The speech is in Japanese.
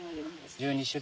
１２種類。